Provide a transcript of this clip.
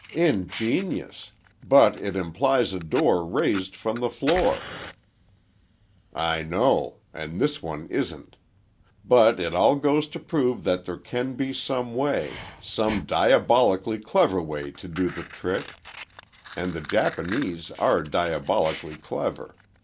"Ingenious! but it implies a door raised from the floor." "I know. And this one isn't. But it all goes to prove that there can be some way—some diabolically clever way to do the trick. And the Japanese are diabolically clever.